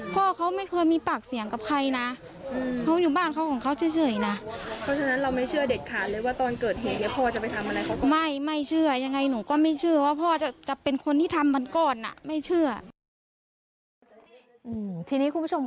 เพราะฉะนั้นเราไม่เชื่อเด็ดขาด